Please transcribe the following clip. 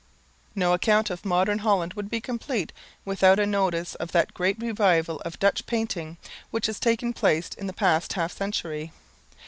No account of modern Holland would be complete without a notice of the great revival of Dutch painting, which has taken place in the past half century.